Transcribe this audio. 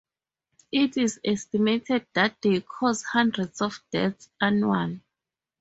It is estimated that they cause hundreds of deaths annually.